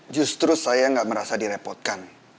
justru saya nggak merasa direpotkan